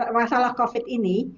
untuk masalah covid ini